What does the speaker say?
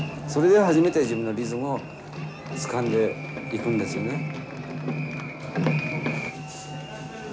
それで初めて自分のリズムをつかんでいくんですよね。